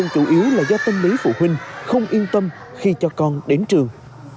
phiếu là do tên lý phụ huynh không yên tâm khi cho con đến trường